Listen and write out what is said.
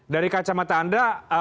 dari kacamata anda